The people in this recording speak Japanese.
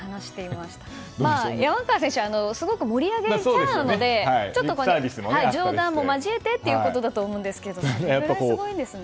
まあ、山川選手はすごく盛り上げキャラなのでちょっと冗談も交えてということだと思うんですけどそれぐらいすごいんですね。